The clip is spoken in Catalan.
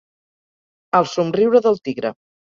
El somriure del tigre.